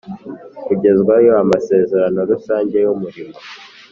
kugezwaho amasezerano rusange y umurimo